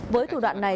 với thủ đoạn này